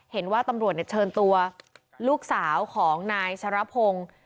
เห็นว่าตำรวจเชิญตัวลูกสาวของนายชะรพงศ์